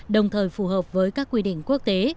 đồng thời phù hợp với các quy định quốc tế